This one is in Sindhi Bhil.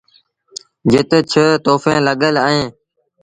جت ڇه توڦيٚن لڳل اهيݩ۔